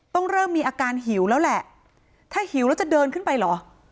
ต้องเริ่มมีอาการหิวแล้วแหละถ้าหิวแล้วจะเดินขึ้นไปเหรอ